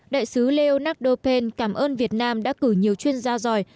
đại sứ leonardo penn cảm ơn việt nam đã cử nhiều chuyên gia giỏi